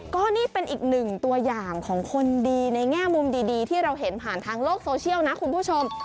ก็นี่เป็นอีกหนึ่งตัวอย่างของคนดีในแง่มุมดีที่เราเห็นผ่านทางโลกโซเชียลนะคุณผู้ชม